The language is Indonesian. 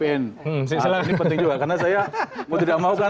ini penting juga karena saya mau tidak mau kan